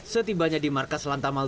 setibanya di markas lantamal